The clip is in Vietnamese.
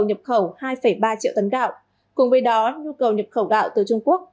nhập khẩu hai ba triệu tấn gạo cùng với đó nhu cầu nhập khẩu gạo từ trung quốc